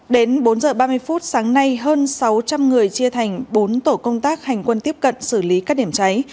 đến bốn h ba mươi phút sáng nay hơn sáu trăm linh người chia thành bốn tổ công tác hành quân tiếp cận xử lý các điểm cháy